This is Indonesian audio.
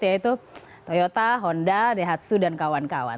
yaitu toyota honda daihatsu dan kawan kawan